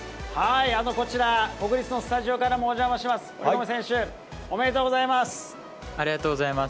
こちら、国立の国立のスタジオからもお邪魔します。